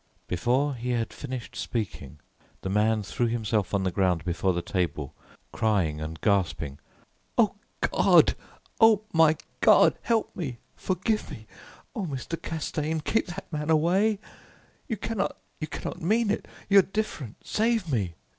Before he had finished speaking, the man threw himself on the ground before the table, crying and grasping, "Oh, God! Oh, my God! Help me! Forgive me! Oh, Mr. Castaigne, keep that man away. You cannot, you cannot mean it! You are different save me!